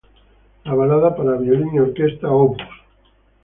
La "Balada para violín y orquesta op.